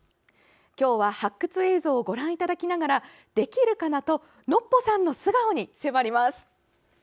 今日は発掘映像をご覧いただきながら「できるかな」とノッポさんの素顔に迫ります。